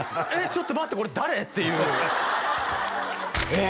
ちょっと待ってこれ誰？っていうええ！